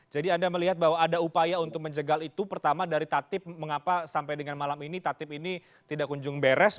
jadi anda melihat bahwa ada upaya untuk menjegal itu pertama dari tatip mengapa sampai dengan malam ini tatip ini tidak kunjung beres